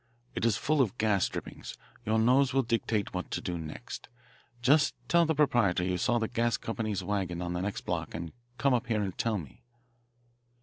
It is full of gas drippings. Your nose will dictate what to do next. Just tell the proprietor you saw the gas company's wagon on the next block and come up here and tell me."